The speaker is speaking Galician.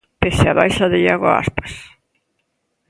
Pese á baixa de Iago Aspas.